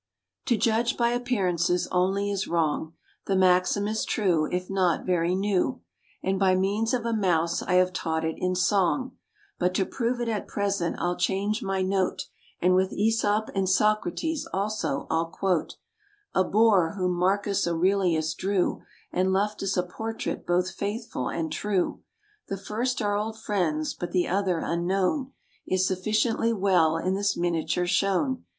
To judge by appearances only is wrong, The maxim is true, if not very new, And by means of a mouse I have taught it in song; But to prove it at present I'll change my note, And with Æsop and Socrates, also, I'll quote A boor whom Marcus Aurelius drew, And left us a portrait both faithful and true. The first are old friends; but the other, unknown, Is sufficiently well in this miniature shown.